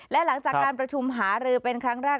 และหลังจากการประชุมหารือเป็นครั้งแรก